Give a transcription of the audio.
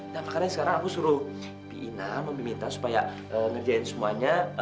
nah makanya sekarang aku suruh mbak ina meminta supaya ngerjain semuanya